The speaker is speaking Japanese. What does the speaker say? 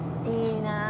いいな。